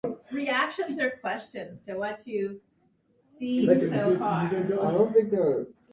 Marcel Bloch was asked to act as delegated administrator of the Minister for Air.